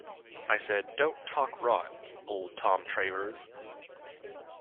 I said, 'Don't talk rot, old Tom Travers.'